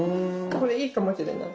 これいいかもしれない。